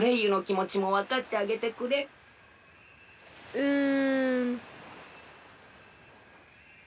うん。